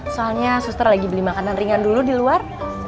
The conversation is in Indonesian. soalnya suster lagi beli makanan ringan dulu di luar